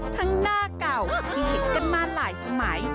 หน้าเก่าที่เห็นกันมาหลายสมัย